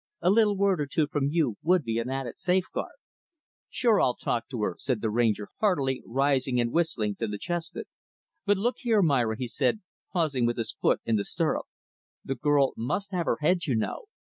A little word or two from you would be an added safeguard." "Sure I'll talk to her," said the Ranger, heartily rising and whistling to the chestnut. "But look here, Myra," he said, pausing with his foot in the stirrup, "the girl must have her head, you know.